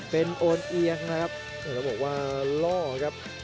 เป็นโอนเอียงนะครับต้องบอกว่าล่อครับ